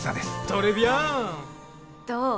どう？